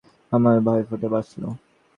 আমার ভাইফোঁটা বাঁচল।